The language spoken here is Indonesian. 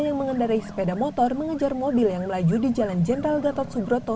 yang mengendarai sepeda motor mengejar mobil yang melaju di jalan jenderal gatot subroto